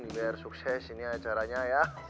biar sukses ini acaranya ya